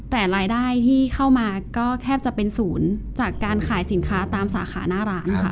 แต่รายได้ที่เข้ามาก็แทบจะเป็นศูนย์จากการขายสินค้าตามสาขาหน้าร้านค่ะ